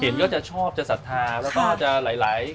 เห็นก็จะชอบจะศัษฐาแล้วก็จะหลายความ